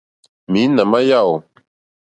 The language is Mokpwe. Mǐnà má yáò.